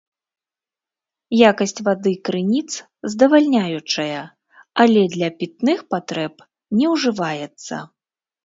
Якасць вады крыніц здавальняючая, але для пітных патрэб не ўжываецца.